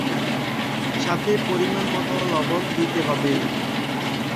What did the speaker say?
সাথে পরিমাণ মত লবণ দিতে হবে।